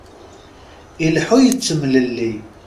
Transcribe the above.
Ileḥḥu yettemlelli.